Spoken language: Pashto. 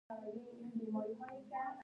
پر هماغه ورځ عبدالهادي سي آى ډي والاو نيولى.